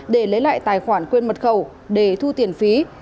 để lấy lại tài khoản quên mật khẩu để thu tiền phí